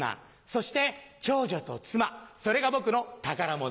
そして長女と妻それが僕の宝物。